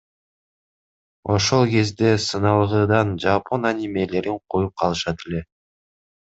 Ошол кезде сыналгыдан жапон анимелерин коюп калышат эле.